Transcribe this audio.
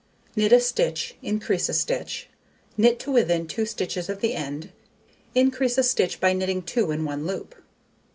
Knit a stitch, increase a stitch, knit to within 2 stitches of the end, increase a stitch by knitting 2 in one loop.